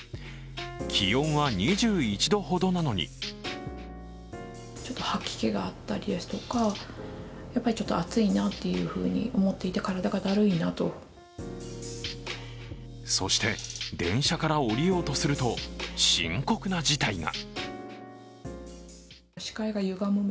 気温は２１度ほどなのにそして、電車から降りようとすると深刻な事態が。